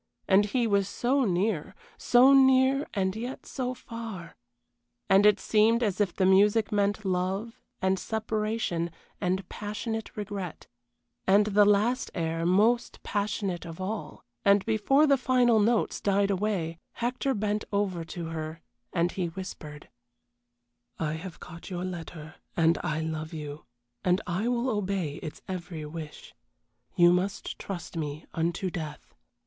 And he was so near, so near and yet so far, and it seemed as if the music meant love and separation and passionate regret, and the last air most passionate of all, and before the final notes died away Hector bent over to her, and he whispered: "I have got your letter, and I love you, and I will obey its every wish. You must trust me unto death.